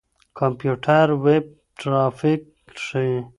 کمپيوټر ويب ټرافيک ښيي.